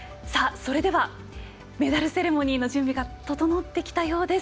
それではメダルセレモニーの準備が整ってきたようです。